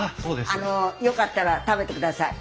あのよかったら食べてください。